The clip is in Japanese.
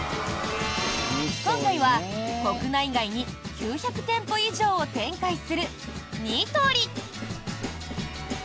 今回は国内外に９００店舗以上を展開するニトリ。